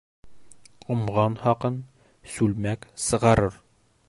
Ҡомған хаҡын сүлмәк сығарыр.